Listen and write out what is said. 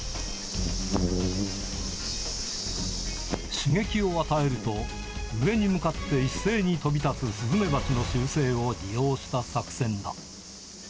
刺激を与えると、上に向かって一斉に飛び立つスズメバチの習性を利用した作戦だ。